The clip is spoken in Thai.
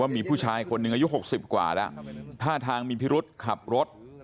มีผู้ชายคนหนึ่งอายุ๖๐กว่าแล้วท่าทางมีพิรุษขับรถ